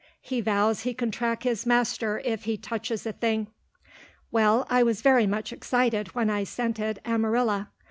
He vows he can track his master if he touches a thing. Well, I was very much excited when I scented Amarilla.